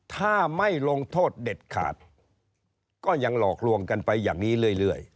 ถ้าไม่ลงโทษเด็ดขาดก็ยังหลอกลวงกันไปอย่างนี้เรื่อย